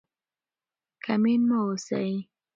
کینمن مه اوسئ.